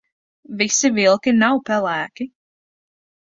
Visi vilki nav pelēki.